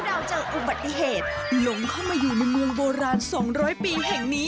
เราเจออุบัติเหตุหลงเข้ามาอยู่ในเมืองโบราณ๒๐๐ปีแห่งนี้